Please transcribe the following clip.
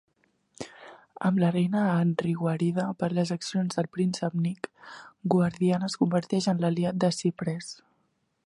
Amb la reina Anri guarida per les accions del príncep Nick, Guardiana es converteix en l'aliat de Cypress.